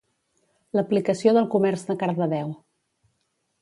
L'aplicació del comerç de Cardedeu